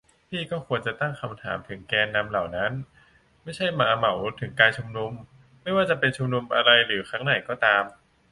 พี่ก็ควรจะตั้งคำถามถึงแกนนำเหล่านั้น ไม่ใช่เหมามาถึงการชุมนุม ไม่ว่าจะชุมนุมอะไรหรือครั้งไหนก็ตาม